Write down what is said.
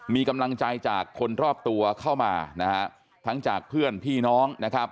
มีกำลังใจจากคนรอบตัวเข้ามานะฮะทั้งจากเพื่อนพี่น้องนะครับ